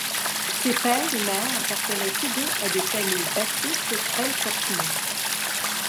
Ses père et mère appartenaient tous deux à des familles baptistes très fortunées.